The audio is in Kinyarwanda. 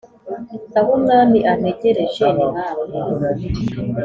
aho umwami antegereje nihafi